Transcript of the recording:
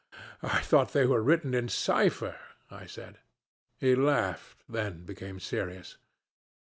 'I thought they were written in cipher,' I said. He laughed, then became serious.